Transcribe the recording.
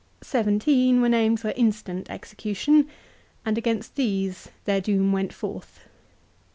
Seventeen were named for instant execution, and against these their doom went forth.